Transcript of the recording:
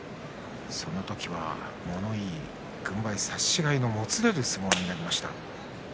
その時は物言い軍配差し違えのもつれる相撲になりました。